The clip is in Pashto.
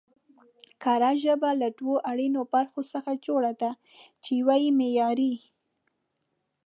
کره ژبه له دوو اړينو برخو څخه جوړه ده، چې يوه يې معياري